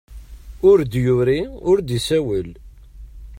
Ur d-yuri ur d-isawel.